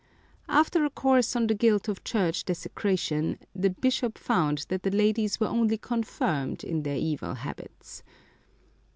After a course on the guilt of church desecration, the bishop found that the ladies were only confirmed in their evil habits.